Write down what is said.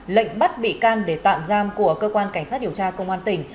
lệnh bắt bị can để tạm giam của cơ quan cảnh sát điều tra công an tỉnh